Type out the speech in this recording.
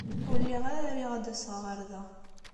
Ur lliɣ ara riɣ ad d-aseɣ ɣer da.